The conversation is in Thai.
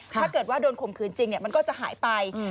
ถ้าเกิดว่าโดนข่มขืนจริงมันก็จะหายไป